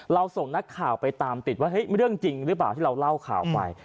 ส่งนักข่าวไปตามติดว่าเฮ้ยเรื่องจริงหรือเปล่าที่เราเล่าข่าวไป